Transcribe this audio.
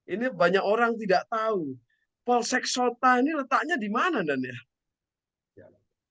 ini banyak orang tidak tahu polsek sota ini letaknya dimana dan ya